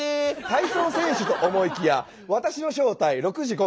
体操選手と思いきや私の正体６時５分。